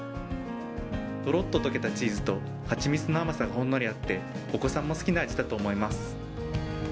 とろっと溶けたチーズと、蜂蜜の甘さがほんのりあって、お子さんも好きな味だと思います。